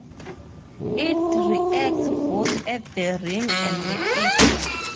It reacts both at the ring and the ester.